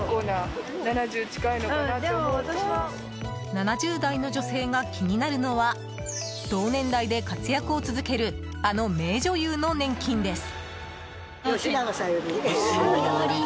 ７０代の女性が気になるのは同年代で活躍を続けるあの名女優の年金です。